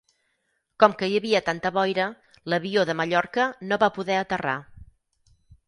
Com que hi havia tanta boira, l'avió de Mallorca no va poder aterrar.